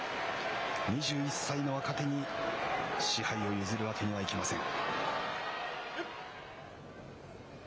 ２１歳の若手に賜杯を譲るわけにはいきません。